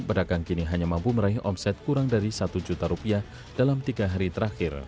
pedagang kini hanya mampu meraih omset kurang dari satu juta rupiah dalam tiga hari terakhir